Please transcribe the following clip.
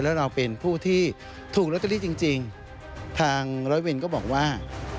แล้วเราเป็นผู้ที่ถูกลอตเตอรี่จริงทางร้อยเวรก็บอกว่า